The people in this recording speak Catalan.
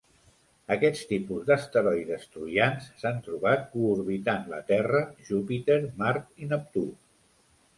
Aquest tipus d'asteroides troians s'han trobat coorbitant la Terra, Júpiter, Mart i Neptú.